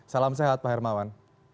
salam sehat pak hermawan